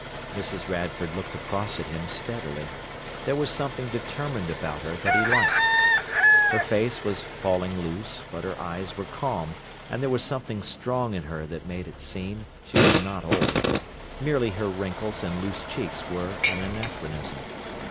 Mrs. Radford looked across at him steadily. There was something determined about her that he liked. Her face was falling loose, but her eyes were calm, and there was something strong in her that made it seem she was not old; merely her wrinkles and loose cheeks were an anachronism.